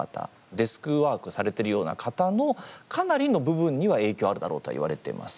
デスクワークされてるような方のかなりの部分には影響あるだろうとはいわれています。